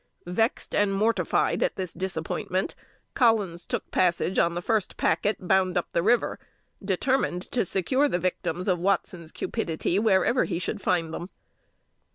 Vexed and mortified at this disappointment, Collins took passage on the first packet bound up the river, determined to secure the victims of Watson's cupidity wherever he should find them.